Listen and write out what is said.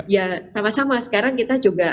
ya sama sama sekarang kita juga